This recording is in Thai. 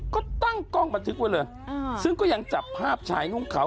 ก็ตั้งกล้องบันทึกไว้เลยซึ่งก็ยังจับภาพชายนุ่งขาว